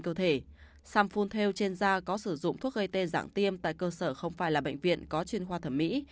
cơ sở sử dụng thuốc gây tên dạng tiêm tại cơ sở không phải là bệnh viện có chuyên khoa thẩm mỹ